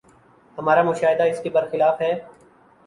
ہمارا مشاہدہ اس کے بر خلاف ہے۔